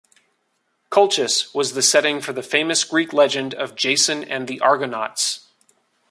Colchis was the setting for the famous Greek legend of Jason and the Argonauts.